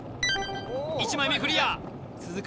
１枚目クリア続く